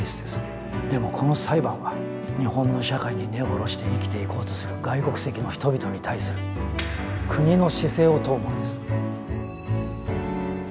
でもこの裁判は日本の社会に根を下ろして生きていこうとする外国籍の人々に対する国の姿勢を問うものです。